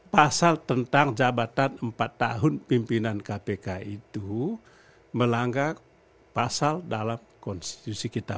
pasal tentang jabatan empat tahun pimpinan kpk itu melanggar pasal dalam konstitusi kita